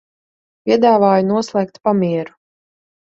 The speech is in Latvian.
Piedāvāju noslēgt pamieru.